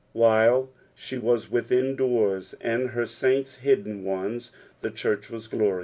While she was within doors, and licr saints hidden ones, the church was eloriou?